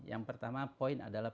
yang pertama poin adalah